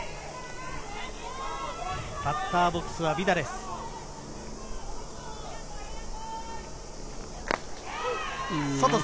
バッターボックスはビダレス。